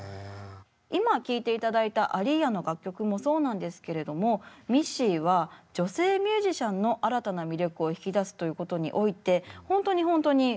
今聴いていただいたアリーヤの楽曲もそうなんですけれどもミッシーは女性ミュージシャンの新たな魅力を引き出すということにおいて本当に本当にうまいんですよね。